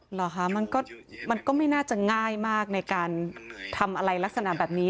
เหรอคะมันก็ไม่น่าจะง่ายมากในการทำอะไรลักษณะแบบนี้